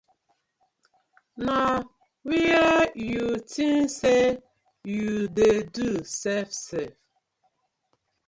Na were yu tins sey yu dey do sef sef.